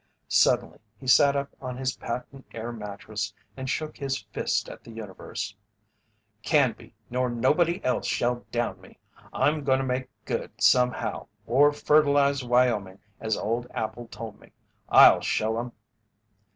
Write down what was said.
Suddenly he sat up on his patent air mattress and shook his fist at the universe: "Canby nor nobody else shall down me! I'm going to make good somehow, or fertilize Wyoming as old Appel told me. I'll show 'em!"